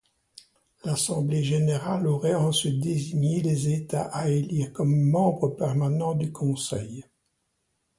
L'Assemblée générale aurait ensuite désigné les États à élire comme membres permanents du Conseil.